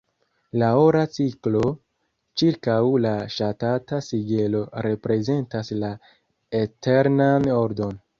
La ora cirklo ĉirkaŭ la ŝatata sigelo reprezentas la eternan ordon.